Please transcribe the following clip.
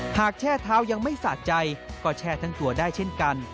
แช่เท้ายังไม่สะใจก็แช่ทั้งตัวได้เช่นกัน